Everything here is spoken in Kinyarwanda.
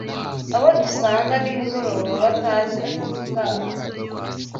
Abo dusanga nimugoroba batazi akazi kabo